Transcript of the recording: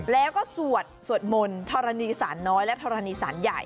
แล้วก็สวดสวดมนต์ธรณีสารน้อยและธรณีสารใหญ่